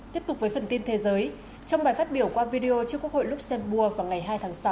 tiếp tục với phần tin thế giới trong bài phát biểu qua video trước quốc hội luxembourg vào ngày hai tháng sáu